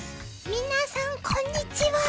みなさんこんにちは。